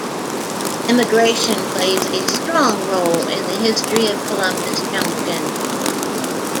Immigration plays a strong role in the history of Columbus Junction.